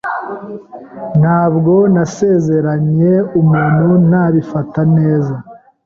Ntabwo nasezeranye umuntu ntabifata neza.